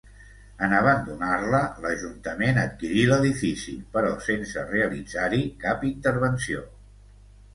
En abandonar-la, l'Ajuntament adquirí l'edifici, però sense realitzar-hi cap intervenció.